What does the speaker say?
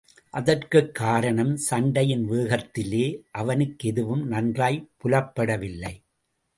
அதற்குக் காரணம் சண்டையின் வேகத்திலே அவனுக்கெதுவும் நன்றாய்ப் புலப்படவில்லை.